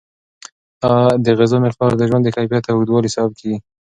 د غذا مقدار د ژوند د کیفیت او اوږدوالي سبب کیږي.